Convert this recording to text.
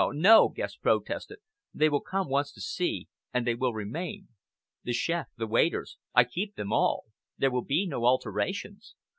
no!" Guest protested. "They will come once to see, and they will remain. The chef, the waiters, I keep them all. There will be no alterations.